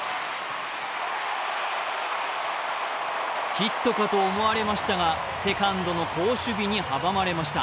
ヒットかと思われましたがセカンドの好守備に阻まれました。